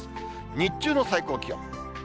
日中の最高気温。